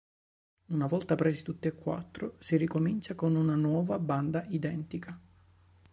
Una volta presi tutti e quattro si ricomincia con una nuova banda identica.